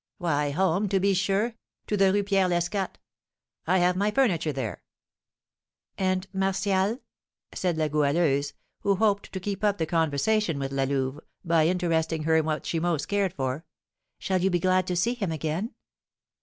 "Why, home, to be sure, to the Rue Pierre Lescat. I have my furniture there." "And Martial?" said La Goualeuse, who hoped to keep up the conversation with La Louve, by interesting her in what she most cared for; "shall you be glad to see him again?"